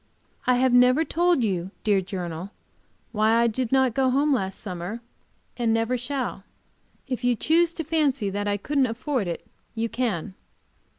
I have never told you, dear journal, why I did not go home last summer, and never shall. If you choose to fancy that I couldn't afford it you can!